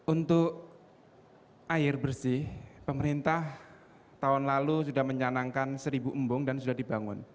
untuk air bersih pemerintah tahun lalu sudah menyanangkan seribu embung dan sudah dibangun